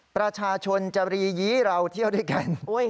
ประชาชนจะรียีเราเที่ยวด้วยกัน